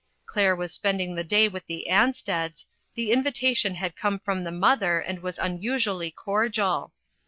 Claire was spending the day with the Ansteds ; the in vitation had come from the mother, and was unusually cordial.